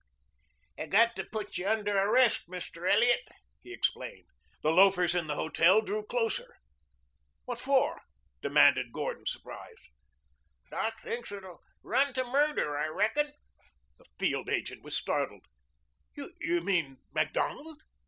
"I got to put you under arrest, Mr. Elliot," he explained. The loafers in the hotel drew closer. "What for?" demanded Gordon, surprised. "Doc thinks it will run to murder, I reckon." The field agent was startled. "You mean Macdonald?"